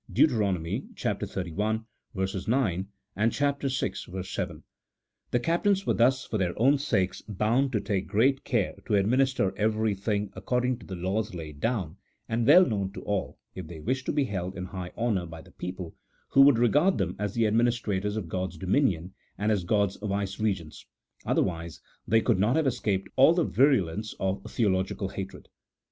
(Deut. xxxi. 9, and vi. 7.) €HAP. XVII.] OF THE HEBREW THEOCRACY. 227 The captains were thus for their own sakes bound to take great care to administer everything according to the laws laid down, and well known to all, if they wished to be held in high honour by the people, who would regard them as the administrators of G od's dominion, and as G od's vicegerents ; otherwise they could not have escaped all the virulence of theological hatred.